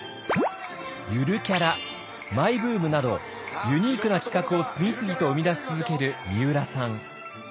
「ゆるキャラ」「マイブーム」などユニークな企画を次々と生み出し続けるみうらさん。